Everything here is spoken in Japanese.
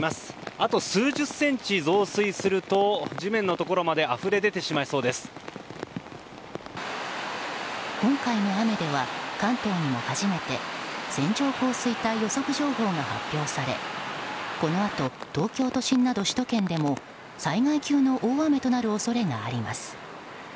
あと数十センチ増水すると地面のところまで今回の雨では、関東にも初めて線上降水帯予測情報が発表されこのあと東京都心など首都圏でも災害級の大雨となる恐れがあります。